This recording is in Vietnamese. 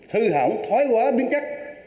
hư hỏng thao hóa biến chất